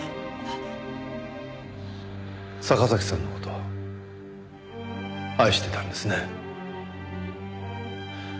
坂崎さんの事を愛してたんですね。